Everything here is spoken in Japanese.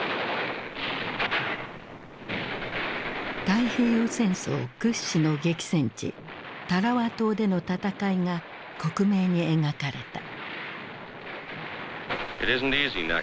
太平洋戦争屈指の激戦地タラワ島での戦いが克明に描かれた。